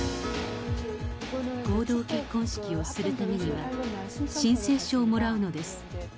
合同結婚式をするためには、申請書をもらうのです。